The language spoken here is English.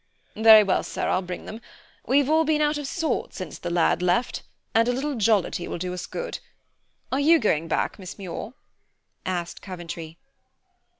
"Very well, sir, I'll bring them. We've all been out of sorts since the lad left, and a little jollity will do us good. Are you going back, Miss Muir?" asked Coventry.